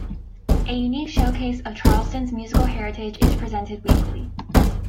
A unique showcase of Charleston's musical heritage is presented weekly.